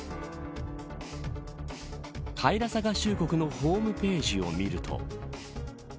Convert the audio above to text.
カイラサ合衆国のホームページを見ると。